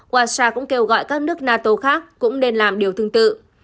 hoa sa cũng kêu gọi các nước nato khác cũng nên làm điều tương tự